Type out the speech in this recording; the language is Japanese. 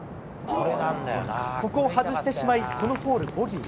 ここを外してしまいこのホール、ボギー。